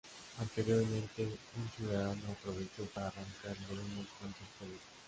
Anteriormente, un ciudadano aprovechó para arrancarle unos cuantos pelos.